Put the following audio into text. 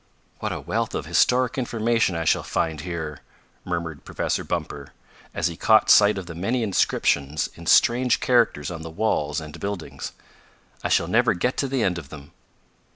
"What a wealth of historic information I shall find here!" murmured Professor Bumper, as he caught sight of many inscriptions in strange characters on the walls and buildings. "I shall never get to the end of them."